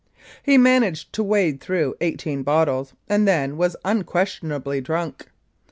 He managed to wade through eighteen bottles, and then was unquestionably drunk.